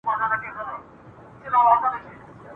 هیلې راغلې تر کشپه ویل یاره !.